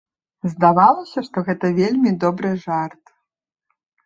Здавалася, што гэта вельмі добры жарт.